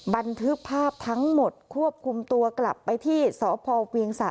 บันทึกภาพทั้งหมดควบคุมตัวกลับไปที่สพเวียงสะ